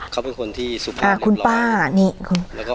เขาเป็นคนที่สุขมากเรียบร้อย